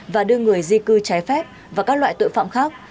và đưa người di cư trái phép và các loại tội phạm khác